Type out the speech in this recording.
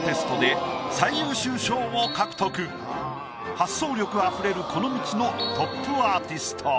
発想力あふれるこの道のトップアーティスト。